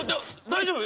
大丈夫？